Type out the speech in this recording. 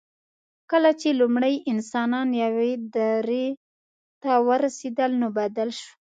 کله چې لومړي انسانان یوې درې ته ورسېدل، نو بدل شو.